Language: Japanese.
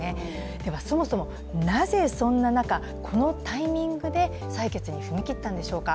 ではそもそもなぜそんな中、このタイミングで採決に踏み切ったんでしょうか。